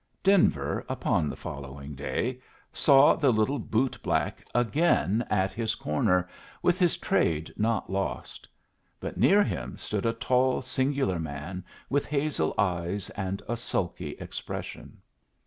Denver, upon the following day, saw the little bootblack again at his corner, with his trade not lost; but near him stood a tall, singular man, with hazel eyes and a sulky expression.